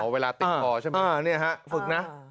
อ๋อเวลาติดป่อใช่ไหมอ่านี่ฮะฝึกนะ